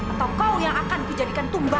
atau kau yang akan dijadikan tumbang